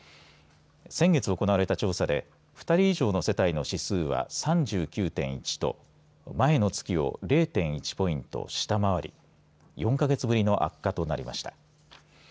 先月行われた調査で２人以上の世帯の指数は３９．１と前の月を０．１ポイント下回り、４か月ぶりの悪化となりました。